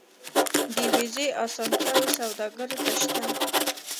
د ویزې اسانتیاوې سوداګرو ته شته